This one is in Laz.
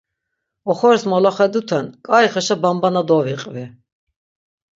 Oxoris molaxeduten k̆aixeşa banbana doviqvi.